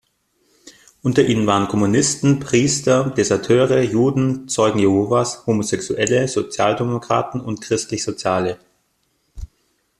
Unter ihnen waren Kommunisten, Priester, Deserteure, Juden, Zeugen Jehovas, Homosexuelle, Sozialdemokraten und Christlich-Soziale.